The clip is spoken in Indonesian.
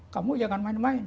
kamu jangan main main